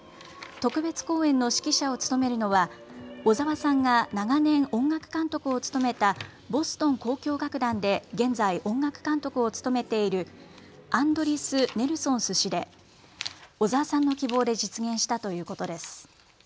特別公演の指揮者を務めるのは小澤さんが長年音楽監督を務めたボストン交響楽団で現在、音楽監督を務めているアンドリースネルソンアンドリス・ネルソンス氏で小澤さんの規模で実現したということです。